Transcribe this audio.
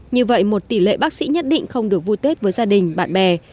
như vậy một tỷ lệ bác sĩ nhất định không được vui tết với gia đình bạn bè